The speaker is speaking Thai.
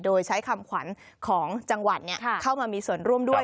โดยใช้คำขวัญของจังหวัดเข้ามามีส่วนร่วมด้วย